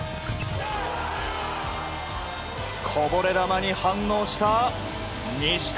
こぼれ球に反応した西谷。